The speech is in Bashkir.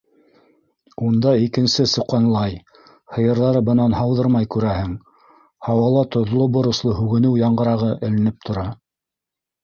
Унда икенсе суҡанлай, һыйырҙары бынан һауҙырмай, күрәһең, һауала тоҙло-боросло һүгенеү яңғырағы эленеп тора.